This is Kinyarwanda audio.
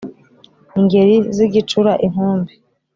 Ingeri zigicura inkumbi.